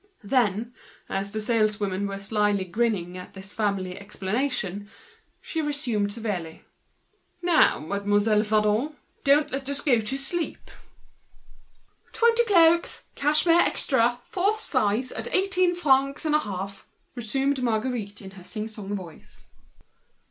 Then, as the saleswomen were slyly grinning at this family explanation, she resumed with severity: "Now, Mademoiselle Vadon, don't let's go to sleep." "Twenty cloaks, cashmere extra, fourth size, at eighteen francs and a half," resumed Marguerite in her sing song voice.